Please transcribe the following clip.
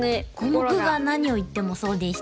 コモクが何を言ってもそうでした。